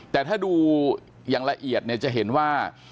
แต่ถ้าดูอย่างละเอียดเนี่ยจะเห็นว่า